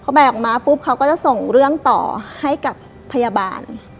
แบกออกมาปุ๊บเขาก็จะส่งเรื่องต่อให้กับพยาบาล